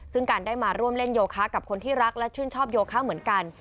ซึ่งการได้มาร่วมเล่นโยคะกับคนที่รักและชื่นชอบโยคะเหมือนกัน